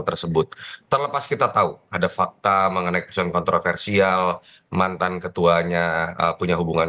tersebut terlepas kita tahu ada fakta mengenai keputusan kontroversial mantan ketuanya punya hubungan